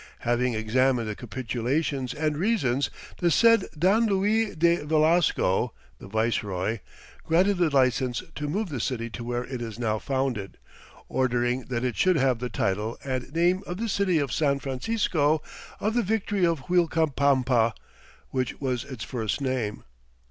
Having examined the capitulations and reasons, the said Don Luis de Velasco [the viceroy] granted the licence to move the city to where it is now founded, ordering that it should have the title and name of the city of San Francisco of the Victory of Uilcapampa, which was its first name.